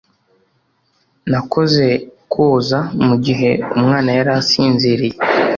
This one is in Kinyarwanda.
nakoze koza mugihe umwana yari asinziriye